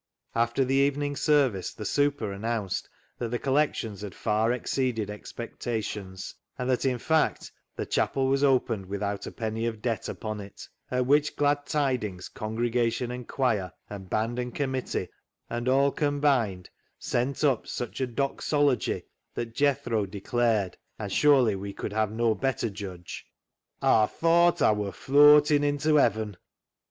After the evening service the " super " an nounced that the collections had far exceeded expectations, and that, in fact, the chapel was opened without a penny of debt upon it, at which glad tidings congregation and choir, and band and committee, and all combined sent up such a Doxology that Jethro declared — and surely we could have no better judge —" Aw thowt Aw wur flooatin' into heaven."